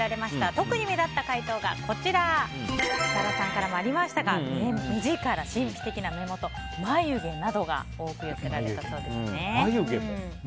特に目立った回答が設楽さんからもありました目力、神秘的な目元、眉毛などが眉毛も。